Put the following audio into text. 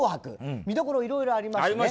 見どころいろいろありましたね。